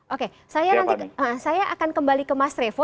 oke saya nanti saya akan kembali ke mas revo